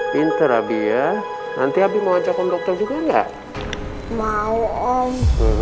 pinter abi ya nanti abimu ajak om dokter juga enggak mau om